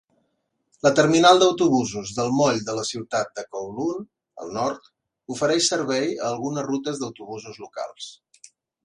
La terminal d'autobusos del moll de la ciutat de Kowloon, al nord, ofereix servei a algunes rutes d'autobusos locals.